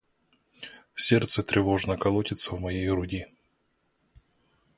Сердце тревожно колотится в моей груди.